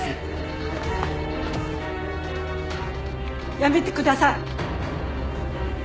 やめてください。